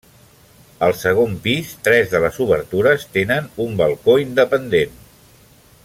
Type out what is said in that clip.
Al segon pis, tres de les obertures tenen un balcó independent.